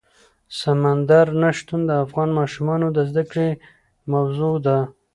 سمندر نه شتون د افغان ماشومانو د زده کړې موضوع ده.